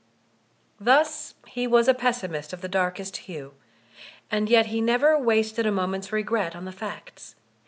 Thus he was a pessimist of tfte darkest hue; and yet he never wasted a moment's regret on the facts.